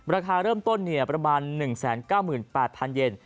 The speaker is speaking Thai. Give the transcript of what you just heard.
ราคาเริ่มต้นประมาณ๑๙๘๐๐๐เย็น